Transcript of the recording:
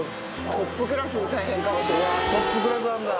トップクラスなんだ。